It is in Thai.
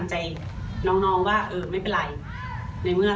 เกมพรุ่งนี้เราก็พยายามเต็มที่ค่ะ